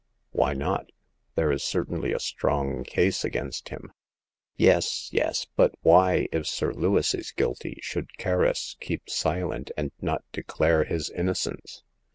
Why not ? There is certainly a strong case against him." Yes, yes ; but why, if Sir Lewis is guilty, should Kerris keep silent, and not declare his innocence